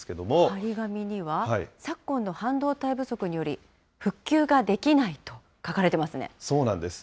貼り紙には、昨今の半導体不足により、復旧ができないと書かそうなんです。